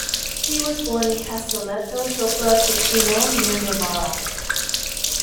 He was born in Castelletto sopra Ticino, near Novara.